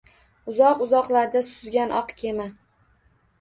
Uzoq-uzoqlarda suzgan oq kema